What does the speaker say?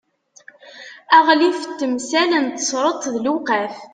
aɣlif n temsal n tesreḍt d lewqaf